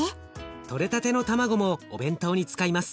とれたての卵もお弁当に使います。